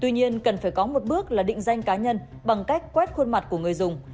tuy nhiên cần phải có một bước là định danh cá nhân bằng cách quét khuôn mặt của người dùng